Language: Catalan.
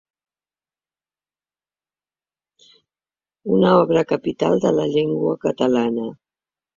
Una obra capital de la llengua catalana.